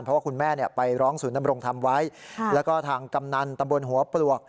เพราะว่าคุณแม่ไปร้องศูนย์นำรงธรรมไว้แล้วก็ทางกำนันตำบลหัวปลวก